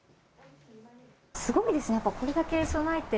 すごいですね。